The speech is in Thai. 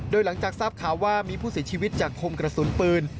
โดยหลังจากทราบข่าวว่ามีผู้เสียชีวิตจากคมกระสุนปืน